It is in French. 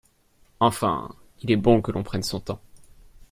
Enfin, il est bon que l’on prenne son temps.